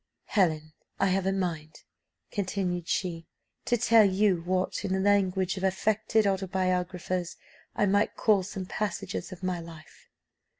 "Helen, I have a mind," continued she, "to tell you what, in the language of affected autobiographers, I might call 'some passages of my life.